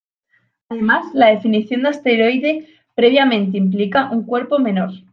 Además, la definición de asteroide previamente implica un cuerpo menor.